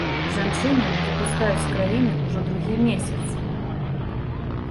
Жанчыну не выпускаюць з краіны ўжо другі месяц.